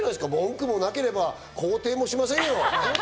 文句もなければ肯定もしませんよ。